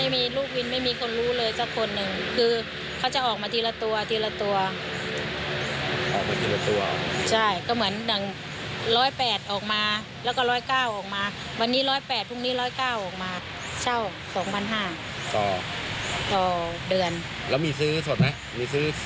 มีซื้อสดไหมมีซื้อเสื้ออะไรไหม